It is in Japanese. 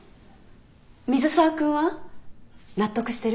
水沢君は？納得してる？